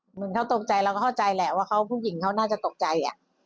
เหมือนเขาตกใจเราก็เข้าใจแหละว่าเขาผู้หญิงเขาน่าจะตกใจ